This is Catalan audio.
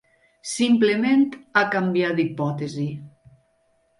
Simplement ha canviat d'hipòtesi.